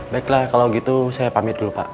baiklah kalau gitu saya pamit dulu pak